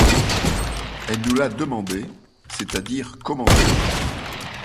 Elle nous l’a demandé, c’est-à-dire commandé.